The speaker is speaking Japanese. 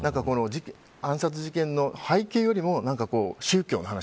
暗殺事件の背景よりも宗教の話